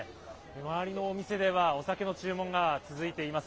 周りのお店では、お酒の注文が続いています。